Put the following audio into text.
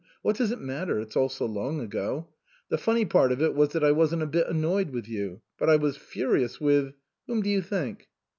What does it matter? It's all so long ago. The funny part of it was that I wasn't a bit annoyed with you, but I was furious with whom do you think